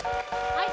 はい。